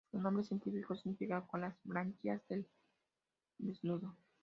Su nombre científico significa "con las branquias al desnudo".